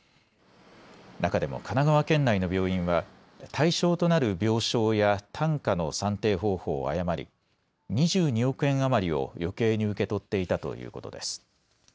中でも神奈川県内の病院は対象となる病床や単価の算定方法を誤り２２億円余りを余計に受け取っていたということです。